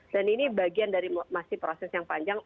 dan ini bagian dari proses yang panjang